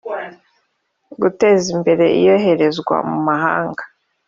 Guteza Imbere Iyoherezwa mu mahanga